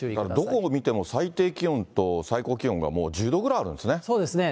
どこを見ても最低気温と最高気温がもう１０度ぐらいあるんでそうですね。